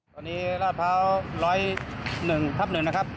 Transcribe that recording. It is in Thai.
ตอนนี้ราดเภา๑๐๑หลับหนึ่งนะครับ